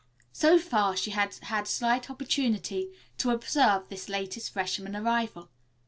So far she had had slight opportunity to observe this latest freshman arrival.